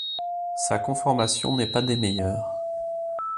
Sa conformation n’est pas des meilleures.